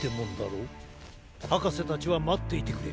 はかせたちはまっていてくれ。